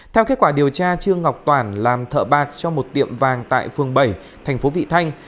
theo kết quả điều tra trương ngọc toàn làm thợ bạc cho một tiệm vàng tại phường bảy tp vị thanh